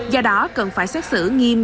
do đó cần phải xét xử nghiêm